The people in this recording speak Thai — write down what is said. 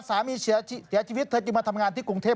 สามีเสียชีวิตเธอจึงมาทำงานที่กรุงเทพ